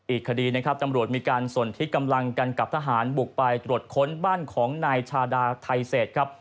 อีกคดีนะครับตำรวจมีการสนที่กำลังกันกับทหารบุกไปตรวจค้นบ้านของนายชาดาไทเศษครับ